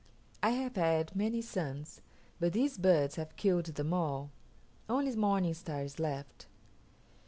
I have had many sons, but these birds have killed them all. Only Morning Star is left."